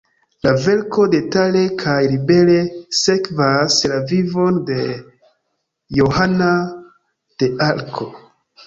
La verko detale kaj libere sekvas la vivon de Johana de Arko.